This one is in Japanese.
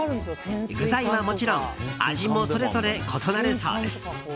具材はもちろん味もそれぞれ異なるそうです。